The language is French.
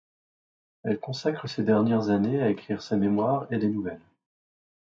Elle consacre ses dernières années à écrire ses mémoires et des nouvelles.